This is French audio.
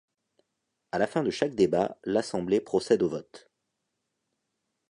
À la fin de chaque débat, l'Assemblée procède au vote.